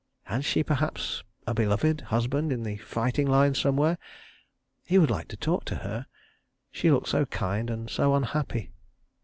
Had she perhaps a beloved husband in the fighting line somewhere? He would like to talk to her—she looked so kind and so unhappy.